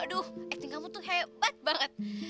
aduh acting kamu tuh hebat banget